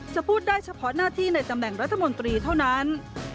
จะพูดได้เฉพาะหน้าที่ในตำแหน่งรัฐมนตรีเท่านั้น